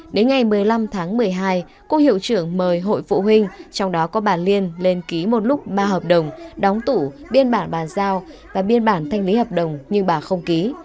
đến ngày một mươi năm tháng một mươi hai cô hiệu trưởng mời hội phụ huynh trong đó có bà liên lên ký một lúc ba hợp đồng đóng tủ biên bản bàn giao và biên bản thanh lý hợp đồng nhưng bà không ký